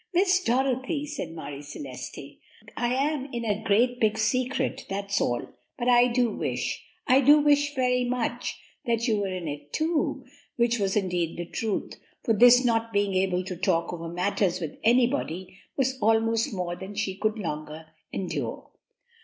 "Miss Dorothy," said Marie Celeste, "I am in a great big secret, that's all, but I do wish I do wish very much that you were in it too," which was indeed the truth, for this not being able to talk over matters with anybody was almost more than she could longer endure.